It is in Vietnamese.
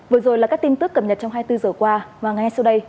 vừa rồi là các tin tức cập nhật trong hai mươi bốn giờ qua và ngay sau đây